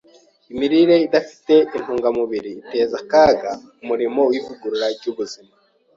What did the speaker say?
Imirire idafite intungamubiri iteza akaga umurimo w’ivugurura ry’ubuzima.